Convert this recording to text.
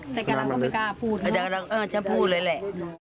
น้ำมันลึกอ๋อฉันพูดเลยแหละน้ำมันลึก